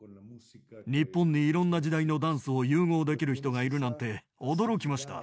日本にいろんな時代のダンスを融合できる人がいるなんて驚きました。